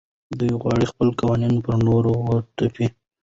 دوی غواړي خپل قوانین پر نورو وتپي.